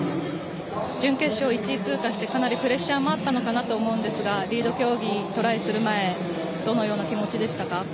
準決勝１位通過してかなりプレッシャーもあったのかなと思うんですがリード競技、トライする前どのような気持ちでしたか。